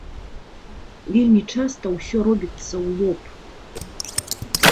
Вельмі часта ўсё робіцца ў лоб.